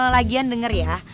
lagian denger ya